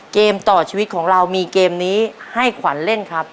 เกมต่อชีวิตของเรามีเกมนี้ให้ขวัญเล่นครับ